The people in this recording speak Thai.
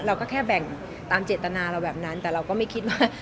เราก็แค่แบ่งตามเจตนาเราแบบนั้นแต่เราก็ไม่คิดว่า